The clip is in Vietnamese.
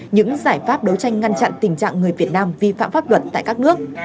những giải pháp đấu tranh ngăn chặn tình trạng người việt nam vi phạm pháp luật tại các nước